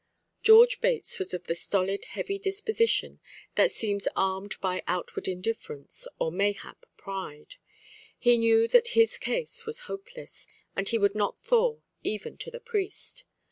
George Bates was of the stolid, heavy disposition that seems armed by outward indifference, or mayhap pride. He knew that his case was hopeless, and he would not thaw even to the priest.